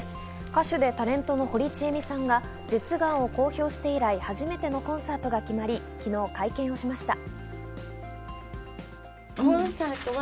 歌手でタレントの堀ちえみさんが舌がんを公表して以来、初めてのコンサートが決まり、昨日、会見をしました。